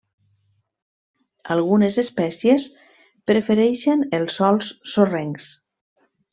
Algunes espècies prefereixen els sòls sorrencs.